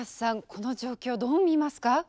この状況どう見ますか？